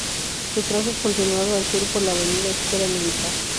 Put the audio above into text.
Su trazo es continuado al sur por la avenida Escuela Militar.